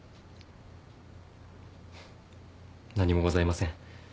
何もございません。